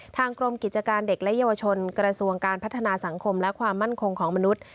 ทางกรมกิจการเด็กและเยาวชนกระทรวงการพัฒนาสังคมและความมั่นคงของมนุษย์